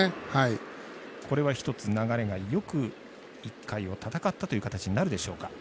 これは、一つ流れがよく１回は戦ったという形になるでしょうか。